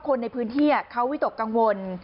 คนในพื้นที่เขาวิตกกังวล